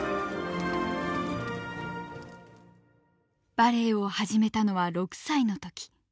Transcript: バレエを始めたのは６歳のとき。